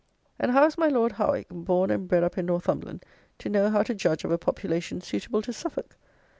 And how is my Lord Howick, born and bred up in Northumberland, to know how to judge of a population suitable to Suffolk?